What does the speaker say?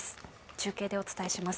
中継でお伝えします。